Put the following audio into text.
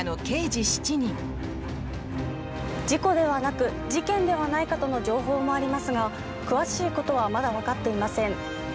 事故ではなく事件ではないかとの情報もありますが詳しいことはまだわかっていません。